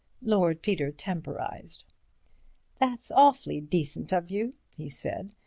Lord Peter temporized. "That's awfully decent of you," he said.